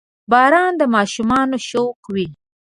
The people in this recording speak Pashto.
• باران د ماشومانو شوق وي.